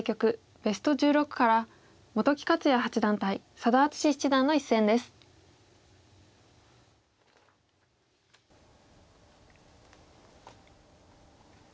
ベスト１６から本木克弥八段対佐田篤史七段の一戦です。